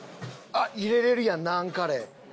あっ入れれるやんナーンカレー。